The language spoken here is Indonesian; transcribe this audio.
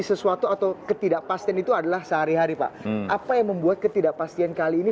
sesuatu atau ketidakpastian itu adalah sehari hari pak apa yang membuat ketidakpastian kali ini